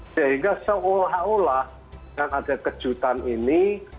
sehingga seolah olah dengan ada kejutan ini